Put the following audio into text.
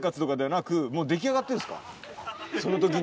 その時には。